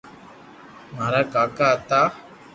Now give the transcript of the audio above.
مارا ڪاڪا ھتا